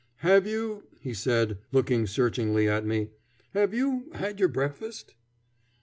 "Have you," he said, looking searchingly at me, "have you had your breakfast?"